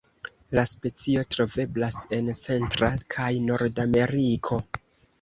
La specio troveblas en Centra kaj Nordameriko.